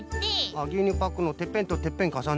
ぎゅうにゅうパックのてっぺんとてっぺんかさねる。